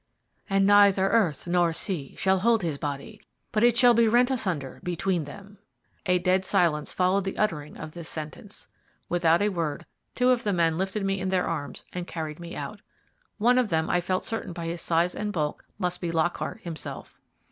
"And neither earth nor sea shall hold his body, but it shall be rent asunder between them." A dead silence followed the uttering of this sentence. Without a word, two of the men lifted me in their arms and carried me out. One of them I felt certain by his size and bulk must be Lockhart himself.